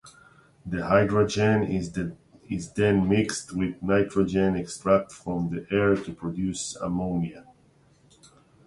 The hydrogen is then mixed with nitrogen extracted from the air to produce ammonia.